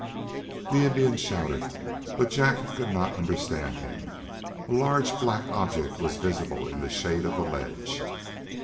The Indian shouted, but Jack could not understand him. A large black object was visible in the shade of the ledge.